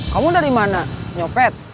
kamu dari mana nyopet